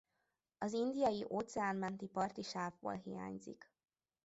Az Indiai-óceán menti parti sávból hiányzik.